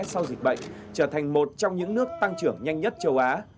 sau dịch bệnh trở thành một trong những nước tăng trưởng nhanh nhất châu á